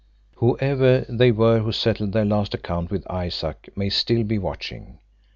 "Whoever they were who settled their last account with Isaac may still be watching.